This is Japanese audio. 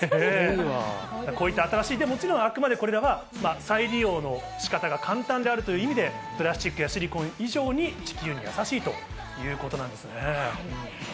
こういった新しい、もちろんこれらは再利用のしかたが簡単であるという意味で、プラスチックやシリコン以上に地球に優しいということなんですね。